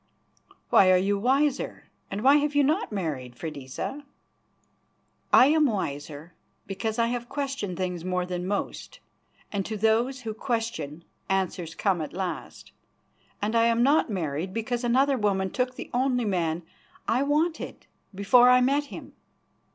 "Why are you wiser, and why have you not married, Freydisa?" "I am wiser because I have questioned things more than most, and to those who question answers come at last. And I am not married because another woman took the only man I wanted before I met him.